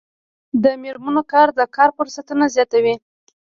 د میرمنو کار د کار فرصتونه زیاتوي.